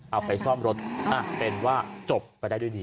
เอาไปซ่อมรถเป็นว่าจบไปได้ด้วยดี